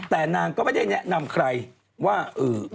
แต่นางก็ไม่ได้แนะนำใครว่า